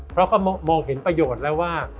เพราะก็มองเห็นประโยชน์แล้วว่า